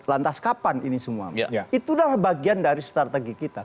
lantas kapan ini semua itu adalah bagian dari strategi kita